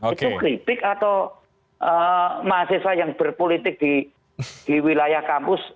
itu kritik atau mahasiswa yang berpolitik di wilayah kampus